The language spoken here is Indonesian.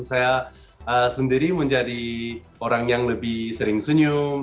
saya sendiri menjadi orang yang lebih sering senyum